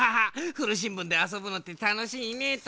ふるしんぶんであそぶのってたのしいねぇっと。